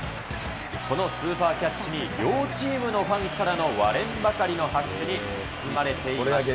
このスーパーキャッチに、両チームのファンからの割れんばかりの拍手に包まれていました。